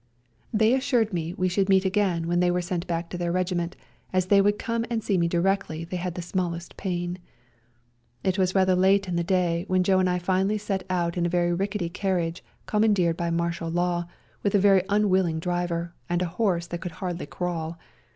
They assured me we should meet again when they were sent back to their regiment, as they would come and see me directly they had the smallest pain. It was rather late in the day when Joe 18 REJOINING THE SERBIANS and I finally set out in a very rickety carriage commandeered by martial law, with a very unwilling driver, and a horse that could hardly crawl.